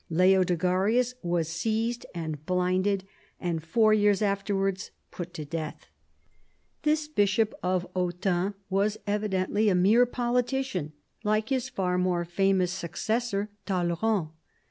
Leodegarius was seized and blinded, and four years afterwards put to death. Tliis Bishop of Autun was evidently a mere politician, like his far more famous successor, Talleyrand.